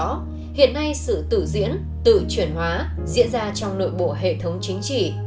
những sự tự diễn tự chuyển hóa diễn ra trong nội bộ hệ thống chính trị